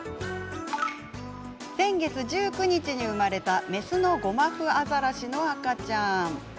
先月１９日に生まれた雌のゴマフアザラシの赤ちゃん。